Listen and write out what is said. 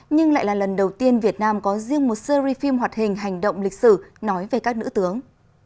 nhưng lại là lần đầu tiên việt nam có riêng một series phim hoạt hình hành động lịch sử nói về các nữ tướng